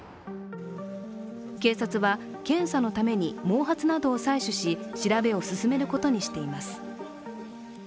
警察は検査のために毛髪などを採取し調べを進めることにしています。